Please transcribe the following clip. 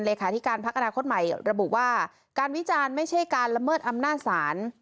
ที่การพักอนาคตใหม่ระบุว่าการวิจารณ์ไม่ใช่การละเมิดอำนาจศาล